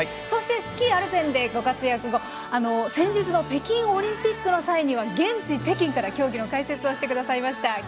そして、スキー・アルペンでご活躍の先日の北京オリンピックの際には現地・北京から競技の解説をしてくださいました。